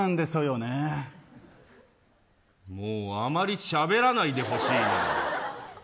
もう、あまりしゃべらないでほしいな。